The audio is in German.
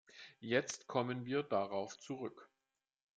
Jetzt kommen wir darauf zurück.